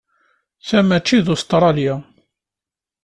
Ta maci d Ustṛalya.